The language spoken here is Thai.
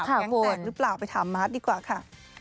แก๊งแตกหรือเปล่าไปถามมาร์ทดีกว่าค่ะ